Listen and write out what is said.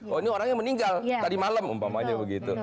oh ini orangnya meninggal tadi malam umpamanya begitu